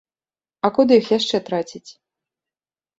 А куды іх яшчэ траціць?